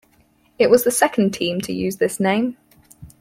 It was the second team to use this name.